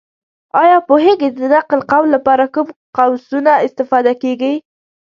ایا پوهېږې! د نقل قول لپاره کوم قوسونه استفاده کېږي؟